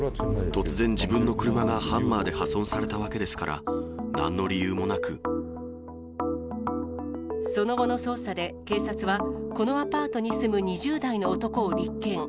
突然自分の車がハンマーで破損されたわけですから、なんの理由もその後の捜査で、警察は、このアパートに住む２０代の男を立件。